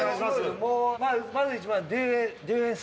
もうまず一番にディディフェンス。